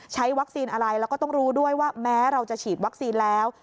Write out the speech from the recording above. ใช้วัคซีนอะไรแล้วก็ต้องรู้ด้วยว่าแม้เราจะฉีดวัคซีนแล้ว